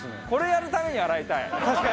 これやるために洗いたい。